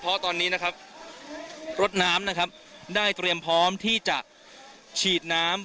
เพราะตอนนี้นะครับรถน้ำนะครับได้เตรียมพร้อมที่จะฉีดน้ำ